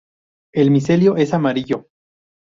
El micelio es amarillo.